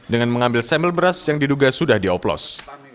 dengan mengambil sampel beras yang diduga sudah dioplos